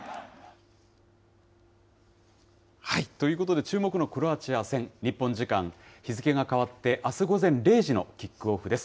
ということで、注目のクロアチア戦、日本時間、日付が変わって、あす午前０時のキックオフです。